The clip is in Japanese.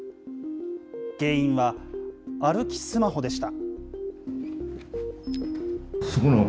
原因は歩きスマホでした。